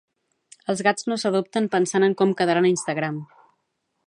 Els gats no s'adopten pensant en com quedaran a Instagram.